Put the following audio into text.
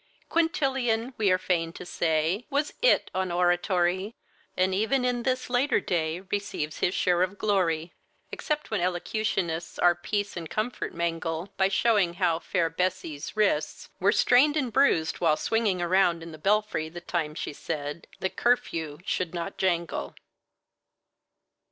Quintilian, we are fain to say, Was It on oratory, And even in this later day Receives his share of glory, Except when elocutionists Our peace and comfort mangle, By showing how fair Bessie's wrists Were strained and bruised while swinging around in the belfry the time she said the curfew should not jangle.